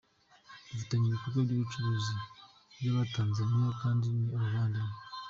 Dufitanye ibikorwa by’ubucuruzi n’abatanzaniya kandi ni abavandimwe.